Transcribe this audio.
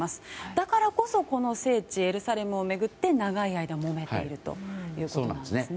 だからこそこの聖地エルサレムを巡って長い間もめているということです。